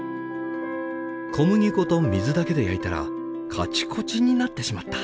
小麦粉と水だけで焼いたらカチコチになってしまった。